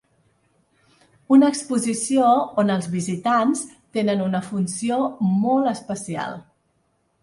Una exposició on els visitants tenen una funció molt especial.